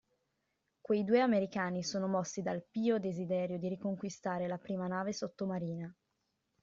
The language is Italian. Quei due americani sono mossi dal pio desiderio di riconquistare la prima nave sottomarina.